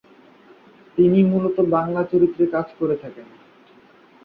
তিনি মূলত বাংলা চলচ্চিত্রে কাজ করে থাকেন।